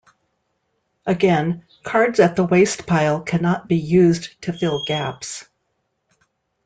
Again, cards at the wastepile cannot be used to fill gaps.